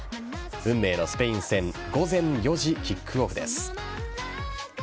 運命のスペイン戦午前４時、キックオフです。